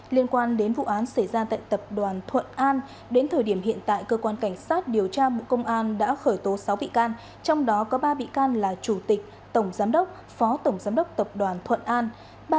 liên quan đến vụ án xảy ra tại tập đoàn thuận an đến thời điểm hiện tại cơ quan cảnh sát điều tra bộ công an đã khởi tố sáu bị can trong đó có ba bị can là chủ tịch tổng giám đốc phó tổng giám đốc tập đoàn thuận an